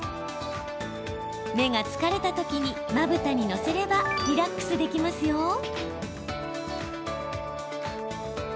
目が疲れたときにまぶたに載せればリラックスできますよ。